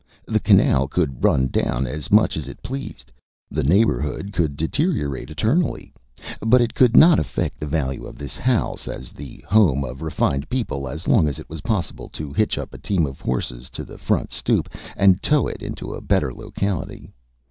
The canal could run down as much as it pleased, the neighborhood could deteriorate eternally, but it could not affect the value of this house as the home of refined people as long as it was possible to hitch up a team of horses to the front stoop and tow it into a better locality.